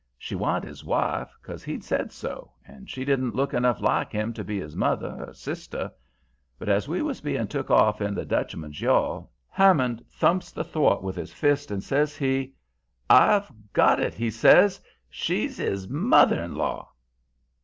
She wa'n't his wife, 'cause he'd said so, and she didn't look enough like him to be his mother or sister. But as we was being took off in the Dutchman's yawl, Hammond thumps the thwart with his fist and says he: "'I've got it!' he says; 'she's 'is mother in law!'